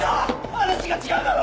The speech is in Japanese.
話が違うだろ！